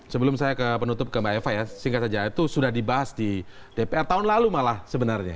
sebelum saya ke penutup ke mbak eva ya singkat saja itu sudah dibahas di dpr tahun lalu malah sebenarnya